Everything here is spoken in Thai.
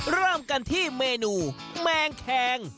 เริ่มกันที่เมนูแมงแคง